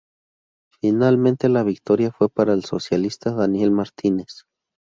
Finalmente la victoria fue para el socialista Daniel Martínez.